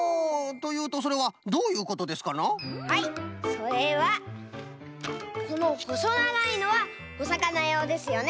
それはこのほそながいのはおさかなようですよね。